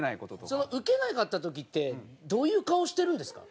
そのウケなかった時ってどういう顔してるんですか？